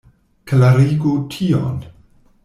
Klarigu tion.